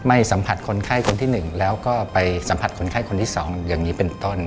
สัมผัสคนไข้คนที่๑แล้วก็ไปสัมผัสคนไข้คนที่๒อย่างนี้เป็นต้น